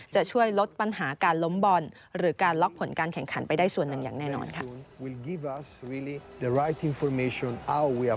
จะช่วยลดปัญหาการล้มบอลหรือการล็อกผลการแข่งขันไปได้ส่วนหนึ่งอย่างแน่นอนค่ะ